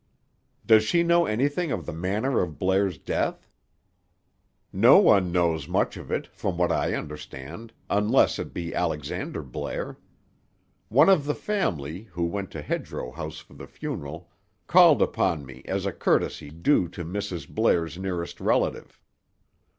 "Does she know anything of the manner of Blair's death?" "No one knows much of it, from what I understand, unless it be Alexander Blair. One of the family, who went to Hedgerow House for the funeral, called upon me, as a courtesy due to Mrs. Blair's nearest relative.